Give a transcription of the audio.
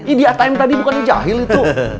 idiot time tadi bukan jahil itu